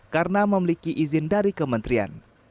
karena memiliki izin dari kementerian